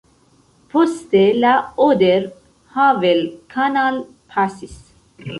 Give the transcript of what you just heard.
Poste la Oder-Havel-Kanal pasis.